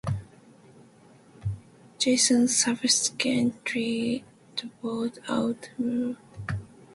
Jason subsequently drove out Menelaus and became High Priest again.